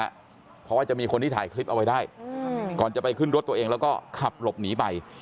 เพราะว่าจะมีคนที่ถ่ายคลิปเอาไว้ได้ก่อนจะไปขึ้นรถตัวเองแล้วก็ขับหลบหนีไป